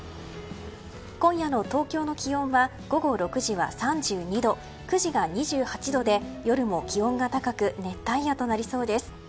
今夜の東京の気温は午後６時は３２度９時が２８度で夜も気温が高く熱帯夜となりそうです。